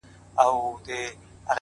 د حقیقت رڼا دوکه کمزورې کوي